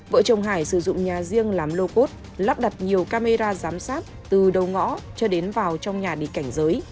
vợ chồng hải sử dụng nhà riêng làm lô cốt lắp đặt nhiều camera giám sát từ đầu ngõ cho đến vào trong nhà đi cảnh giới